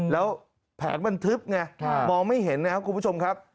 แล้วแผงมันทึบไงมองไม่เห็นนะครับคุณผู้ชมครับ